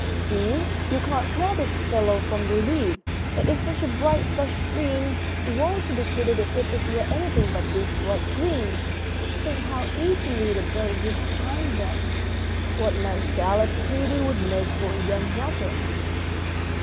"See, you can't tell this fellow from the leaf, it is such a bright, fresh green. Woe to the katydid if it were anything but this bright green! Just think how easily the birds would find them. What nice salad Katy would make for a young robin!"